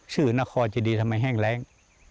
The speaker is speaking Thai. ชื่อนครจะดีทำไมแห้งแรง